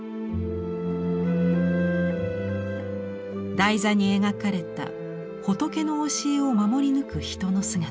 台座に描かれた仏の教えを守り抜く人の姿。